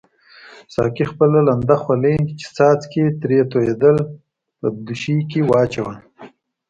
ساقي خپله لنده خولۍ چې څاڅکي ترې توییدل په دوشۍ کې واچول.